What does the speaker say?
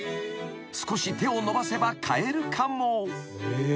［少し手を伸ばせば買えるかも］